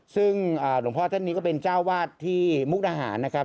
ซึ่งหลวงพ่อท่านนี้ก็เป็นเจ้าวาดที่มุกดาหารนะครับ